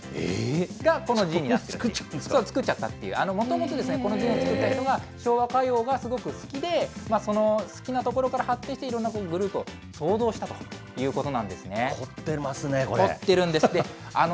が、このＺＩＮＥになっている、そう、作っちゃったっていう、もともとこのＺＩＮＥを作った人が、昭和歌謡がすごく好きで、好きなところから発展していろんなグループを想像したということなんですね。